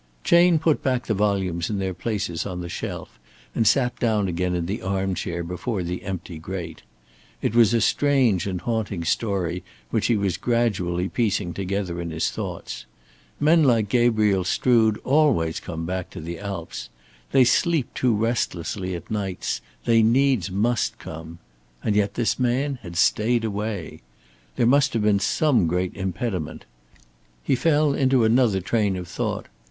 Chayne put back the volumes in their places on the shelf, and sat down again in the arm chair before the empty grate. It was a strange and a haunting story which he was gradually piecing together in his thoughts. Men like Gabriel Strood always come back to the Alps. They sleep too restlessly at nights, they needs must come. And yet this man had stayed away. There must have been some great impediment. He fell into another train of thought.